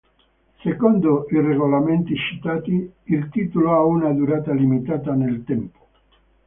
Secondo i regolamenti citati, il titolo ha una durata limitata nel tempo.